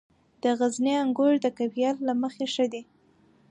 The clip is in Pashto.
د غزني انګور د کیفیت له مخې ښه دي.